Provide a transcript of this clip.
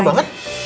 lah ini kenapa